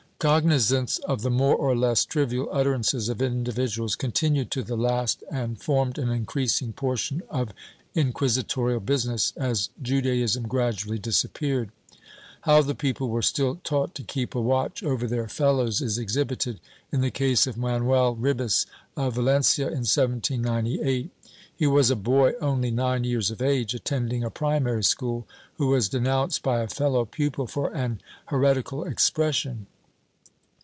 Cognizance of the more or less trivial utterances of individuals continued to the last and formed an increasing portion of inquisi torial business as Judaism gradually disappeared. How the people were still taught to keep a watch over their fellows is exhibited in the case of Manuel Ribes, of Valencia, in 1798. He was a boy only nine years of age, attending a primary school, who was denounced by a fehow pupil for an heretical expression.